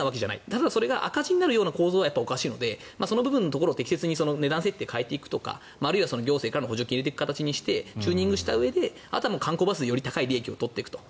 ただ、それが赤字になる構造はおかしいのでそこの部分のところを適切に値段設定を変えていくとかあるいは行政からの補助金を入れていく形でチューニングしてあとは観光バスでより高い利益を取っていくと。